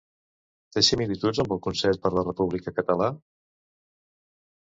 Té similituds amb el Consell per la República català?